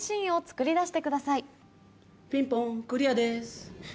ピンポンクリアです！